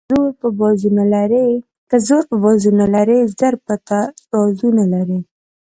ـ که زور په بازو نه لري زر په ترازو نه لري.